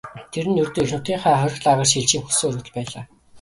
Тэр нь ердөө эх нутгийнхаа хорих лагерьт шилжихийг хүссэн өргөдөл байлаа.